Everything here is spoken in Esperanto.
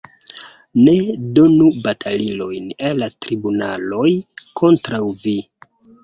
Ne donu batalilojn al la tribunaloj kontraŭ vi.